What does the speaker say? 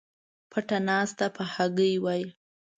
پټه ناسته په هګۍ وای